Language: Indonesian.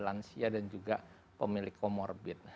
lansia dan juga pemilik komorbid